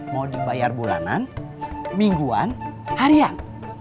mau dibayar bulanan mingguan harian